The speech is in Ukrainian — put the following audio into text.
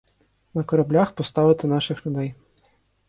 На кораблях поставити наших людей.